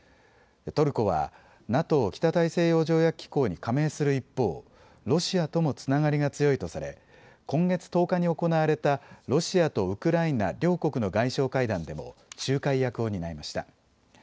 トルコはＮＡＴＯ・北大西洋条約機構に加盟する一方、ロシアともつながりが強いとされ今月１０日に行われたロシアとウクライナ両国の外相会談でも仲介役を担いました。